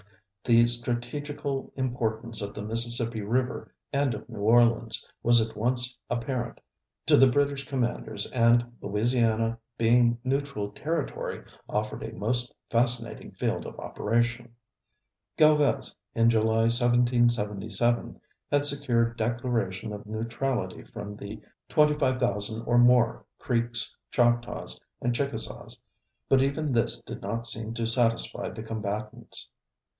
The strategical importance of the Mississippi River and of New Orleans was at once apparent to the British commanders, and Louisiana, being neutral territory, offered a most fascinating field of operation. Galvez, in July, 1777, had secured declaration of neutrality from the 25,000 or more Creeks, Choctaws and Chickasaws, but even this did not seem to satisfy the combatants.